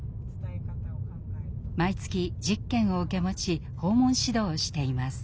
毎月１０軒を受け持ち訪問指導をしています。